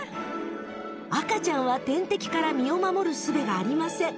赤ちゃんは天敵から身を守るすべがありません。